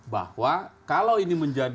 bahwa kalau ini menjadi